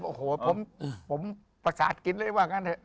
โอ้โหผมประกาศกินเลยว่างั้นเถอะ